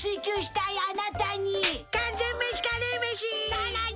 さらに！